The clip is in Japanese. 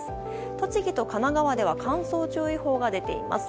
栃木と神奈川では乾燥注意報が出ています。